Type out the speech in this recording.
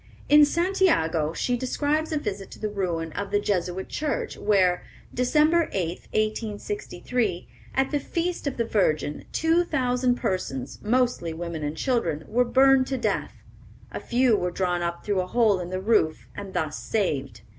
In Santiago she describes a visit to the ruin of the Jesuit church, where, Dec. 8, 1863, at the Feast of the Virgin, two thousand persons, mostly women and children, were burned to death. A few were drawn up through a hole in the roof and thus saved.